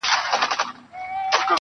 • د سترگو توري په کي به دي ياده لرم.